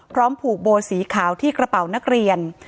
ผูกโบสีขาวที่กระเป๋านักเรียน